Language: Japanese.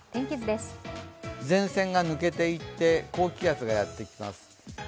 前線が抜けていって高気圧がやってきます。